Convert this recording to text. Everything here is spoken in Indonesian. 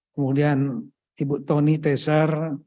kemudian ibu tony tesar